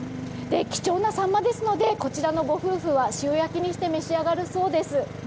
貴重なサンマですのでこちらのご夫婦は塩焼きにして召し上がるそうです。